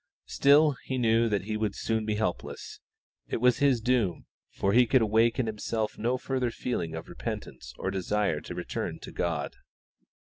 Still, he knew that he would soon be helpless. It was his doom, for he could awake in himself no further feeling of repentance or desire to return to God.